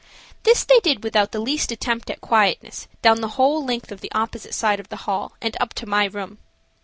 This they did without the least attempt at quietness down the whole length of the opposite side of the hall and up to my room.